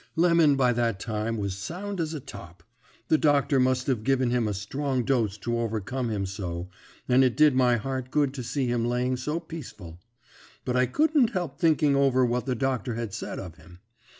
"Lemon by that time was sound as a top. The doctor must have given him a strong dose to overcome him so, and it did my heart good to see him laying so peaceful. But I couldn't help thinking over what the doctor had said of him.